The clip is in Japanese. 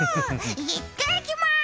いってきまーす。